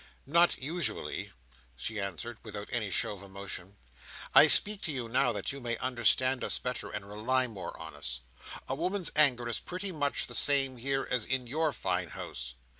"Not usually," she answered, without any show of emotion: "I speak to you now, that you may understand us better, and rely more on us. A woman's anger is pretty much the same here, as in your fine house.